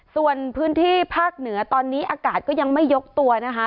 ส่วนพื้นที่ภาคเหนือตอนนี้อากาศก็ยังไม่ยกตัวนะคะ